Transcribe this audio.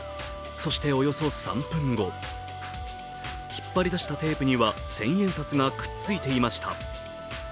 そしておよそ３分後引っ張りだしたテープには千円札がくっついていました。